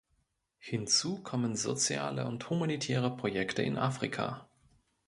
Hinzu kommen soziale und humanitäre Projekte in Afrika.